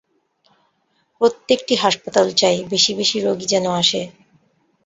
প্রত্যেকটি হাসপাতাল চায়, বেশী বেশী রোগী যেন আসে।